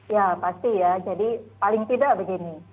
ya pasti ya jadi paling tidak begini